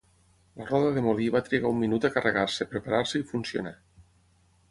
La roda de molí va trigar un minut a carregar-se, preparar-se i funcionar.